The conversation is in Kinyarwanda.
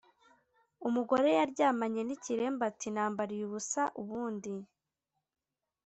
Umugore yaryamanye n’ikiremba ati nambariye ubusa ubundi.